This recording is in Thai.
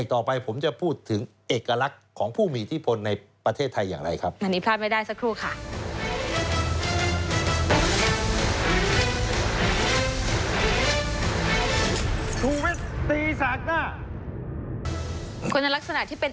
แต่คนที่ลักษณะที่เป็น